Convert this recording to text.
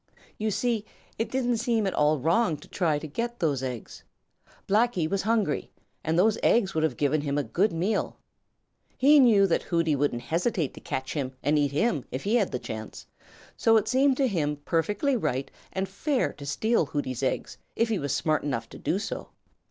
You see, it didn't seem at all wrong to try to get those eggs. Blacky was hungry, and those eggs would have given him a good meal. He knew that Hooty wouldn't hesitate to catch him and eat him if he had the chance, and so it seemed to him perfectly right and fair to steal Hooty's eggs if he was smart enough to do so.